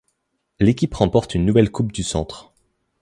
L'équipe remporte une nouvelle Coupe du Centre.